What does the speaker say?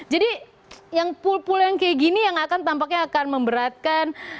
jadi yang pool pool yang kayak gini yang akan tampaknya akan memberatkan